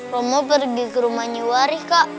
romo pergi ke rumah nyuwari kak